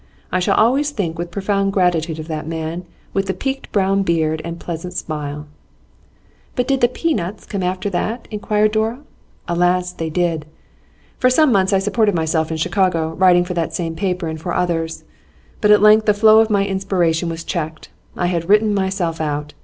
I shall always think with profound gratitude of that man with the peaked brown beard and pleasant smile.' 'But did the pea nuts come after that!' inquired Dora. 'Alas! they did. For some months I supported myself in Chicago, writing for that same paper, and for others. But at length the flow of my inspiration was checked; I had written myself out.